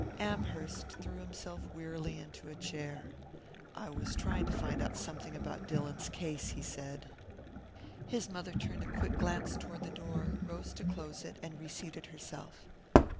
Amherst threw himself wearily into a chair. "I was trying to find out something about Dillon's case," he said. His mother turned a quick glance toward the door, rose to close it, and reseated herself.